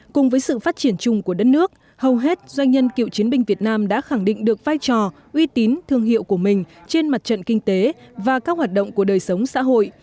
cùng với sự phát triển chung của đất nước hầu hết doanh nhân cựu chiến binh việt nam đã khẳng định được vai trò uy tín thương hiệu của mình trên mặt trận kinh tế và các hoạt động của đời sống xã hội